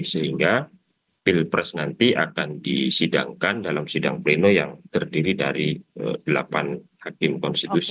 sehingga pilpres nanti akan disidangkan dalam sidang pleno yang terdiri dari delapan hakim konstitusi